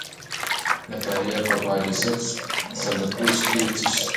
د فاریاب په خواجه سبز پوش کې څه شی شته؟